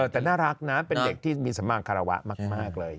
แต่น่ารักนะเป็นเด็กที่มีสมางคารวะมากเลย